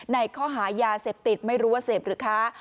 ในข้อหายาเสพติดไม่รู้ว่าเสพหรือค้า